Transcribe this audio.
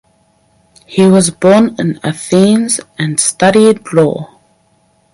He was born in Athens and studied law.